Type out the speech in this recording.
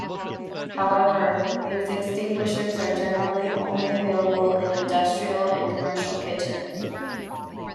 However, these extinguishers are generally only available in industrial and commercial kitchens.